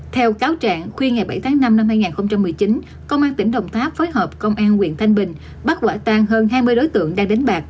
theo cáo trạng khuya ngày bảy tháng năm năm hai nghìn một mươi chín công an tỉnh đồng tháp phối hợp công an quyện thanh bình bắt quả tan hơn hai mươi đối tượng đang đánh bạc